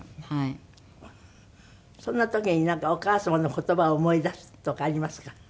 そんな時になんかお母様の言葉を思い出すとかありますか？